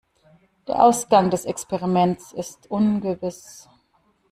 Der Ausgang des Experiments ist ungewiss.